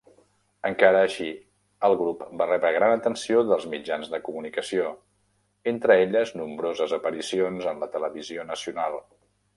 Encara així, el grup va rebre gran atenció dels mitjans de comunicació, entre elles nombroses aparicions en la televisió nacional.